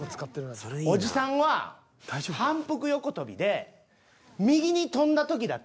おじさんは反復横跳びで右に跳んだ時だけ。